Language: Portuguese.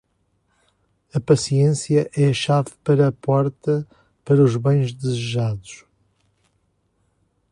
A paciência é a chave para a porta para os bens desejados.